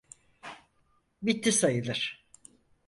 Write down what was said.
Bitti sayılır.